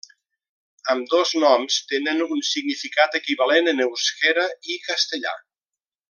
Ambdós noms tenen un significat equivalent en euskera i castellà.